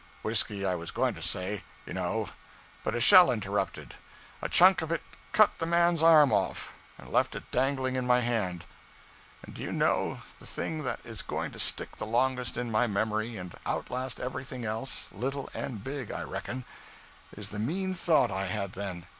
Whiskey, I was going to say, you know, but a shell interrupted. A chunk of it cut the man's arm off, and left it dangling in my hand. And do you know the thing that is going to stick the longest in my memory, and outlast everything else, little and big, I reckon, is the mean thought I had then?